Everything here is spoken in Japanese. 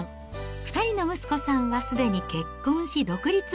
２人の息子さんはすでに結婚し、独立。